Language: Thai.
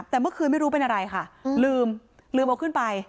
แต่เมื่อคืนไม่รู้เป็นอะไรค่ะลืมลืมเอาขึ้นไป